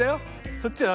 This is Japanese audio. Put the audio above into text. そっちは何？